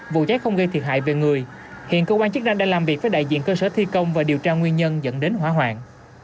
vụ cháy không gây thiệt hại về người hiện cơ quan chức năng đã làm việc với đại diện cơ sở thi công và điều tra nguyên nhân dẫn đến hỏa hoạn